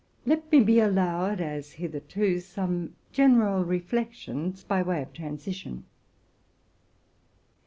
Let me be allowed, as here tofore, to make some general reflections, by way of transition.